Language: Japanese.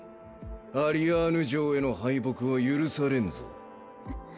アリアーヌ嬢への敗北は許されんぞ